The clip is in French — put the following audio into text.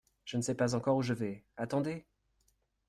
Je ne sais pas encore où je vais, attendez !